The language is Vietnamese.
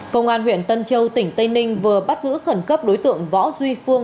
công an huyện tân châu tỉnh tây ninh vừa bắt giữ khẩn cấp đối tượng võ duy phương